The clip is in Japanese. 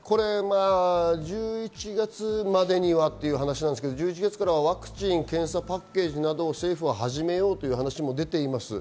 １１月までにはという話ですけれども、ワクチン・検査パッケージなども政府は始めようという話が出ています。